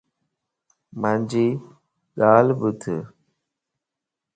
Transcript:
مانجي ڳال ٻڌ